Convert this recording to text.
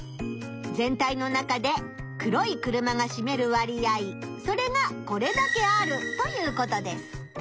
全体の中で黒い車がしめる割合それがこれだけあるということです。